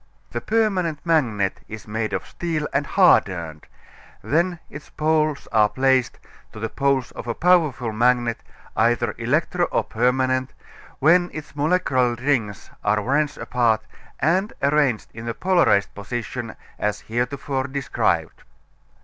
The permanent magnet is made of steel and hardened; then its poles are placed, to the poles of a powerful magnet, either electro or permanent, when its molecular rings are wrenched apart and arranged in a polarized position as heretofore described.